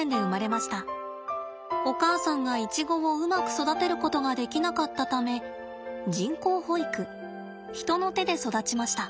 お母さんがイチゴをうまく育てることができなかったため人工哺育人の手で育ちました。